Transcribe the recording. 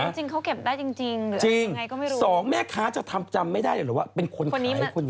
จริงจริงเขาเก็บได้จริงจริงจริงสองแม่ค้าจะทำจำไม่ได้หรือว่าเป็นคนขายคนอื่น